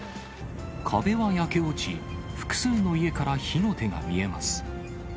壁は焼け落ち、複数の家から火の手が見えます。